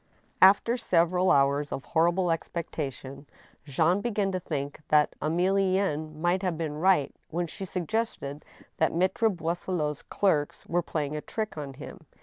After several hours of horrible expectation, Jean began to think that Emilienne might have been right when she suggested that Maltre Boisselot's clerks were playing a trick on him.